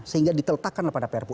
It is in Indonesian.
sehingga diteletakkan pada prpu